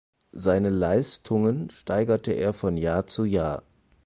Seine Leistungen steigerte er von Jahr zu Jahr.